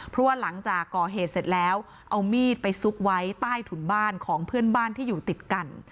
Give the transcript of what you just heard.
เพราะว่าหลังจากก่อเหตุเสร็จแล้วเอามีดไปซุกไว้ใต้ถุนบ้านของเพื่อนบ้านที่อยู่ติดกัน